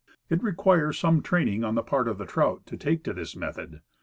It requires some training on the part of the trout to take to this method.